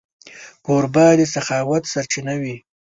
کوربه د سخاوت سرچینه وي.